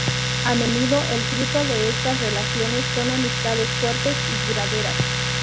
A menudo, el fruto de estas relaciones son amistades fuertes y duraderas.